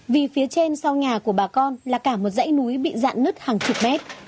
vì phía trên sau nhà của bà con là cả một dãy núi bị dạn nứt hàng chục mét